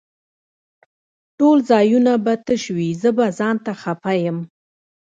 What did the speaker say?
ټول ځايونه به تش وي زه به ځانته خپه يم